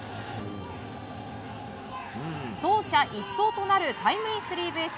走者一掃となるタイムリースリーベース。